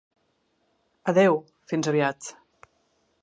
Adeu, fins aviat.